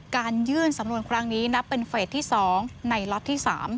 ยื่นสำนวนครั้งนี้นับเป็นเฟสที่๒ในล็อตที่๓